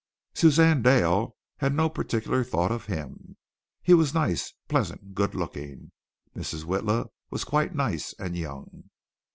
Suzanne Dale had no particular thought of him. He was nice pleasant, good looking. Mrs. Witla was quite nice and young.